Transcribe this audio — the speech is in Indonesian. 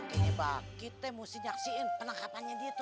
makanya pak kita mesti nyaksiin penangkapannya dia tuh